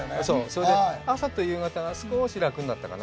それで、朝と夕方が少し楽になったかな。